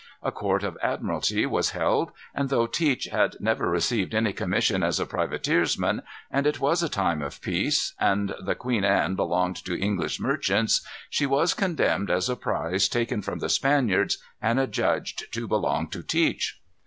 A court of admiralty was held, and though Teach had never received any commission as a privateersman, and it was a time of peace, and the Queen Anne belonged to English merchants, she was condemned as a prize taken from the Spaniards, and adjudged to belong to Teach.